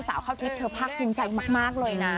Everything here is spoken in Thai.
สาวเข้าทิพย์เธอภาคภูมิใจมากเลยนะ